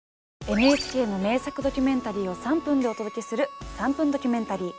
ＮＨＫの名作ドキュメンタリーを３分でお届けする「３分ドキュメンタリー」。